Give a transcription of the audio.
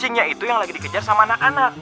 kucingnya itu yang lagi dikejar sama anak anak